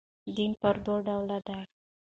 دین پر دوه ډوله دئ.